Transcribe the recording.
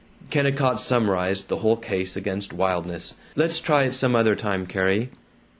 Kennicott summarized the whole case against wildness: "Let's try it some other time, Carrie."